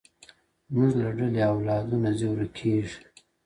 • زموږ له ډلي اولادونه ځي ورکیږي ,